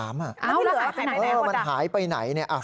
อ้าวแล้วมันหายไปไหนวันตั้ง